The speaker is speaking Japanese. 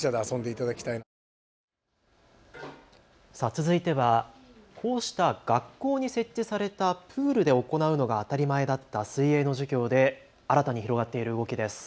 続いてはこうした学校に設置されたプールで行うのが当たり前だった水泳の授業で新たに広がっている動きです。